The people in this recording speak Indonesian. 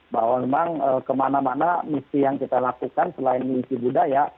bahwa memang kemana mana misi yang kita lakukan selain misi budaya